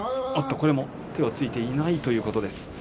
これも手をついていないということです。